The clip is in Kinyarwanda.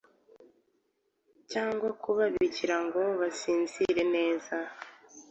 cyangwa kubabikira ngo basinzire neza.